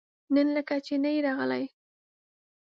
نن لکه چې نه يې راغلی؟